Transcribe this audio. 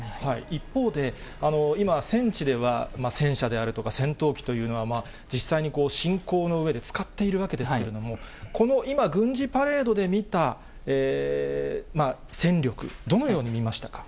一方で、今、戦地では、戦車であるとか、戦闘機というのは、実際に侵攻のうえで使っているわけですけれども、この今、軍事パレードで見た戦力、どのように見ましたか。